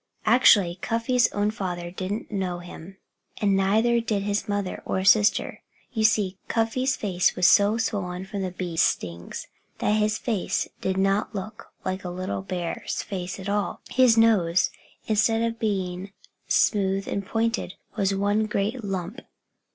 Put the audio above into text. Actually, Cuffy's own father didn't know him. And neither did his mother or his sister. You see, Cuffy's face was so swollen from the bees' stings that his face did not look like a little bear's face at all. His nose, instead of being smooth and pointed, was one great lump.